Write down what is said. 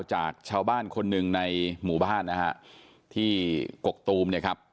จากชาวบ้านคนหนึ่งในหมู่บ้านที่กกตูม